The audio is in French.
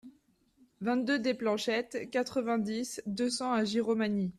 vingt-deux des Planchettes, quatre-vingt-dix, deux cents à Giromagny